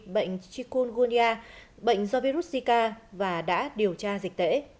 bệnh chikungunia bệnh do virus zika và đã điều tra dịch tễ